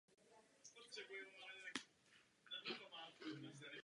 Je sídelním chrámem patriarchy ruské pravoslavné církve.